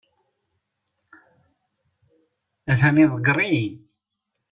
A-t-an iḍegger-iyi.